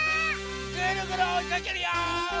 ぐるぐるおいかけるよ！